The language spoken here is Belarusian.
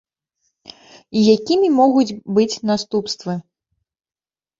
І якімі могуць быць наступствы?